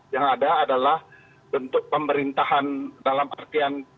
yang ada adalah bentuk pemerintahan dalam artian